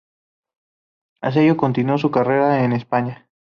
Tras ello, continuó su carrera en España.